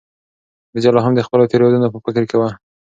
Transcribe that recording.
خدیجه لا هم د خپلو تېرو یادونو په فکر کې وه.